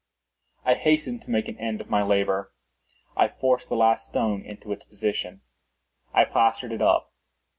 I hastened to make an end of my labor. I forced the last stone into its position; I plastered it up.